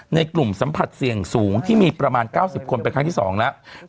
ในกลุ่มสัมผัสเสี่ยงสูงที่มีประมาณ๙๐คนเป็นครั้งที่๒แล้ว